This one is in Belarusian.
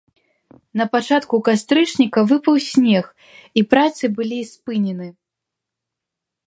Напачатку кастрычніка выпаў снег і працы былі спынены.